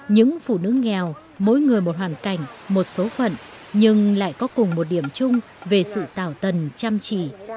những phụ nữ nghèo mỗi người một hoàn cảnh một số phận nhưng lại có cùng một điểm chung về sự tạo tần chăm chỉ